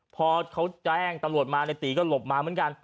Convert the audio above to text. พอเขาแจ้งตำรวจมาในตีก็หลบมาเหมือนกัน